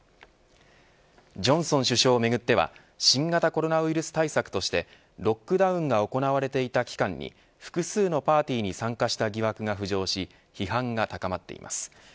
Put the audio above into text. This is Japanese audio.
ジョンソン首相をめぐっては新型コロナウイルス対策としてロックダウンが行われていた期間に複数のパーティーに参加した疑惑が浮上し批判が高まっています。